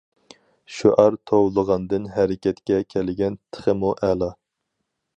شوئار توۋلىغاندىن ھەرىكەتكە كەلگەن تېخىمۇ ئەلا.